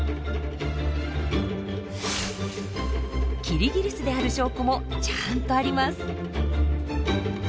キリギリスである証拠もちゃんとあります。